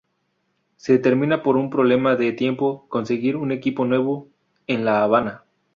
Se determina por un problema de tiempo, conseguir un equipo nuevo en La Habana.